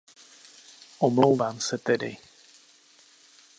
Omlouvám se tedy.